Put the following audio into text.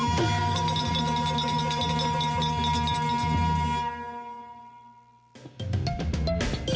จริง